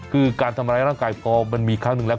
คือการทำร้ายร่างกายพอมันมีครั้งหนึ่งแล้ว